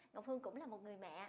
ngọc hương cũng là một người mẹ